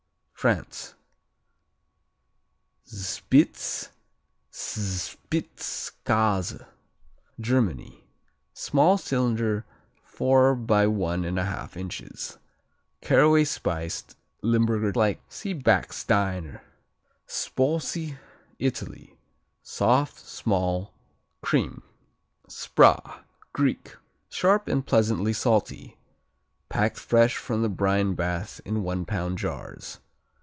France Spitz Spitzkase Germany Small cylinder, four by one and a half inches. Caraway spiced, Limburger like. see Backsteiner. Sposi Italy Soft; small; cream. Spra Greek Sharp and pleasantly salty, packed fresh from the brine bath in one pound jars.